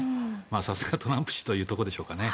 さすがトランプ氏というところでしょうか。